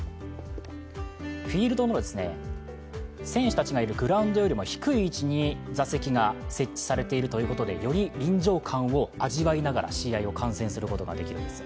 フィールドの選手たちがいるグラウンドよりも低い位置に座席が設置されているということで、より臨場感を味わいながら試合を観戦することができるんです。